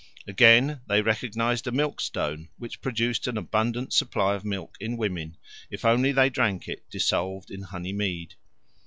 Again, they recognised a milkstone which produced an abundant supply of milk in women if only they drank it dissolved in honey mead.